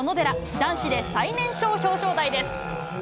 男子で最年少表彰台です。